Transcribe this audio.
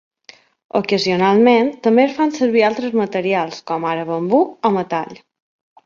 Ocasionalment, també es fan servir altres materials, com ara bambú o metall.